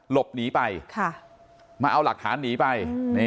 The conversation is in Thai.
หลบหนีไปมาเอาหลักฐานหนีไป